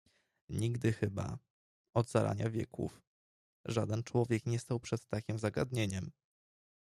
"Nigdy chyba, od zarania wieków, żaden człowiek nie stał przed takiem zagadnieniem."